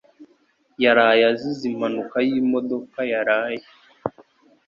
yaraye azize impanuka y'imodoka yaraye.